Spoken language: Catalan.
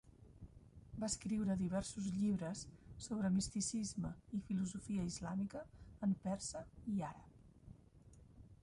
Va escriure diversos llibres sobre misticisme i filosofia islàmica en persa i àrab.